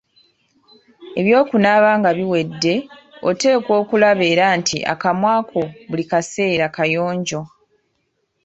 Eby'okunaaba nga biwedde oteekwa okulaba era nti akamwa ko buli kiseera kayonjo.